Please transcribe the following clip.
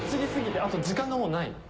あと、時間がもうない。